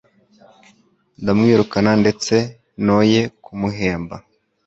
Ndamwirukana ndetse noye kumuhemba.